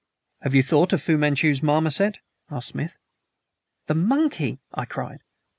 "Have you thought of Fu Manchu's marmoset?" asked Smith. "The monkey!" I cried.